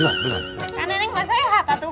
kan nenek masih sehat tuh